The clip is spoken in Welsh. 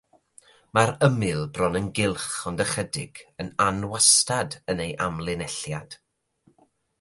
Mae'r ymyl bron yn gylch ond ychydig yn anwastad yn ei amlinelliad.